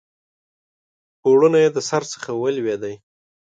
پوړنی یې د سر څخه ولوېدی